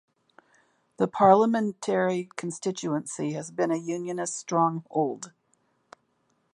The parliamentary constituency has been a Unionist stronghold.